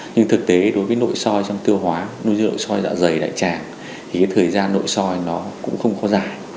nhưng thực tế đối với nội soi trong tư hoá đối với nội soi dạ dày đại tràng thì cái thời gian nội soi nó cũng không có dài